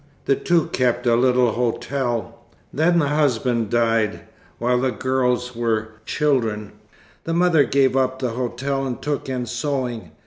The two kept a little hotel. Then the husband died, while the girls were children. The mother gave up the hotel and took in sewing.